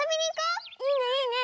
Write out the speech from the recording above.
いいねいいね！